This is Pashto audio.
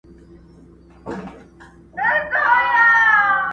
چي خبري دي ترخې لګېږي ډېري!!